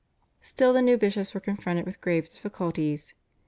Still the new bishops were confronted with grave difficulties.